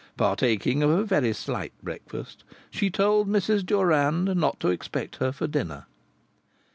Partaking of a very slight breakfast, she told Mrs. Durand not to expect her for dinner.